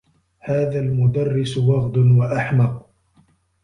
هذا المدرّس وغد و أحمق.